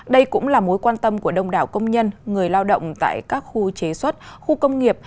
đây cũng là mối quan tâm của đông đảo công nhân người lao động tại các khu chế xuất khu công nghiệp